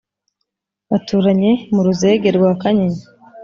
baturanye mu ruzege rwa kanyinya.